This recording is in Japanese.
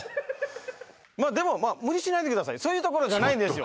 まあでも無理しないでくださいそういうところじゃないんですよ